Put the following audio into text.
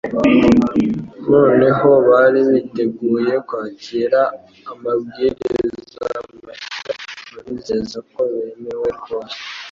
noneho bari biteguye kwakira amabwiriza mashya abizeza ko bemewe rwose.